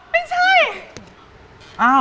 ไม่ใช่